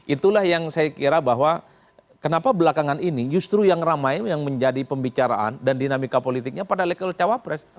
itulah yang saya kira bahwa kenapa belakangan ini justru yang ramai yang menjadi pembicaraan dan dinamika politiknya pada level cawapres